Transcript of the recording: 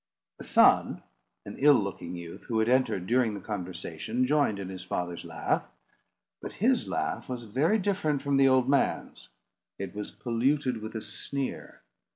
The son, an ill looking youth, who had entered during the conversation, joined in his father's laugh; but his laugh was very different from the old man's: it was polluted with a sneer.